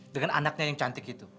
dengan anaknya yang cantik itu